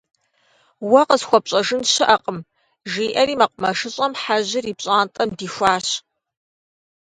Уэ къысхуэпщӏэжын щыӏэкъым, - жиӏэри Мэкъумэшыщӏэм Хьэжьыр и пщӏантӏэм дихуащ.